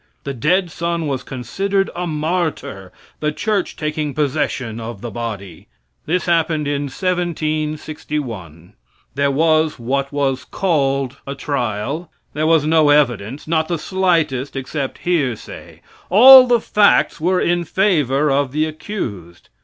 The dead son was considered a martyr, the church taking possession of the body. This happened in 1761. There was what was called a trial. There was no evidence, not the slightest, except hearsay. All the facts were in favor of the accused.